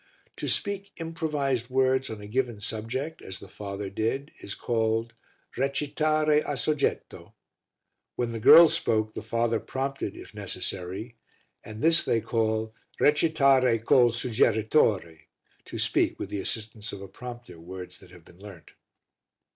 To speak improvised words on a given subject, as the father did, is called "recitare a soggetto." When the girls spoke, the father prompted, if necessary, and this they call "recitare col suggeritore" to speak, with the assistance of a prompter, words that have been learnt.